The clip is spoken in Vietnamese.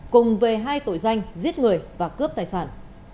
cùng về hai tội danh giết người và cướp tài sản